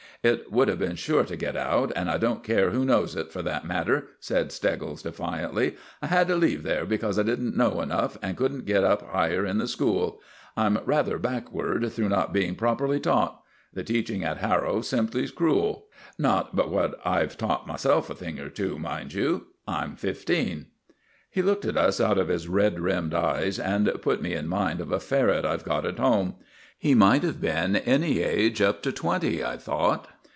"It would have been sure to get out, and I don't care who knows it, for that matter," said Steggles, defiantly. "I had to leave there because I didn't know enough, and couldn't get up higher in the school. I'm rather backward through not being properly taught. The teaching at Harrow's simply cruel. Not but what I've taught myself a thing or two, mind you. I'm fifteen." He looked at us out of his red rimmed eyes, and put me in mind of a ferret I've got at home. He might have been any age up to twenty, I thought.